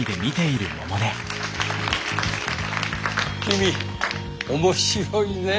君面白いねえ。